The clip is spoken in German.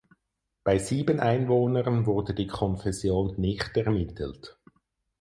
Bei sieben Einwohnern wurde die Konfession nicht ermittelt.